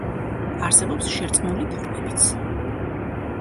არსებობს შერწყმული ფორმებიც.